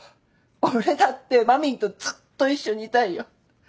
俺だってまみんとずっと一緒にいたいよ！